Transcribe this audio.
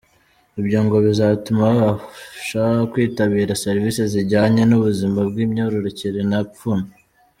Ibyo ngo bizatuma babasha kwitabira services zijyanye n’ubuzima bw’imyororokere nta pfunwe.